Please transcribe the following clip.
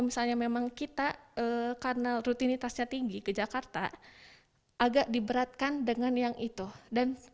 misalnya memang kita karena rutinitasnya tinggi ke jakarta agak diberatkan dengan yang itu dan